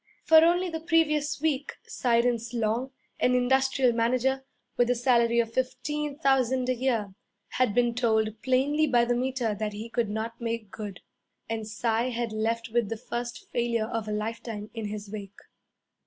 For only the previous week Cyrus Long, an industrial manager, with a salary of fifteen thousand a year, had been told plainly by the Meter that he could not make good. And Cy had left with the first failure of a lifetime in his wake.